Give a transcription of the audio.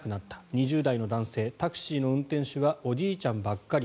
２０代の男性タクシーの運転手はおじいちゃんばっかり。